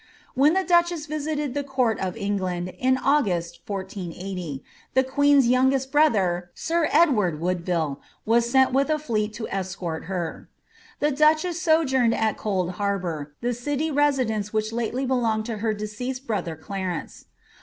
When the duchess visited the eourt of England in August, 1480, the queen's youngest brother, sir Edward Woodville, was sent with a fleet to escort her. The duchess aojoumed at Cold Harbour, the city residence which lately belonged to her deceased brother Clarence.